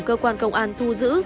cơ quan công an thu giữ